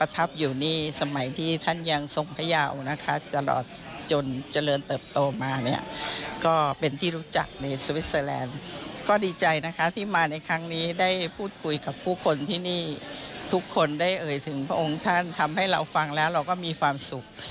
ทุกคนได้เอ่ยถึงพระองค์ท่านทำให้เราฟังแล้วเราก็มีความสุข